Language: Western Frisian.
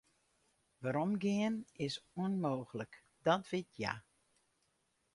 Weromgean is ûnmooglik, dat wit hja.